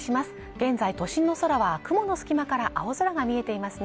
現在都心の空は雲の隙間から青空が見えていますね